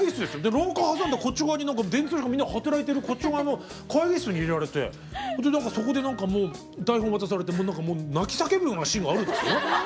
廊下挟んだこっち側に電通の人みんな働いてるこっち側の会議室に入れられてそこで何かもう台本渡されて何かもう泣き叫ぶようなシーンがあるんですよね。